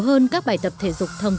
ở các nơi khác trên cộng đồng